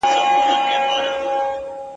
مسافر بیرته کږو لارو ته سم سو ..